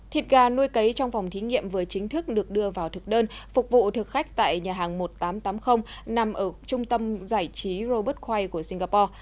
thịt gà nuôi cấy trong phòng thí nghiệm vừa chính thức được đưa vào thực đơn phục vụ thực khách tại nhà hàng một nghìn tám trăm tám mươi nằm ở trung tâm giải trí robert kwaii của singapore